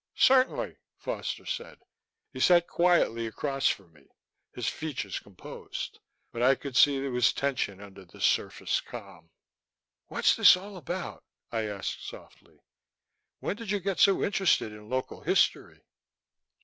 "Certainly," Foster said. He sat quietly across from me, his features composed but I could see there was tension under the surface calm. "What's this all about?" I asked softly. "When did you get so interested in local history?"